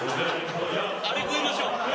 ・あれ食いましょう。